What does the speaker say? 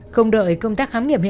không đợi công tác khám nghiệm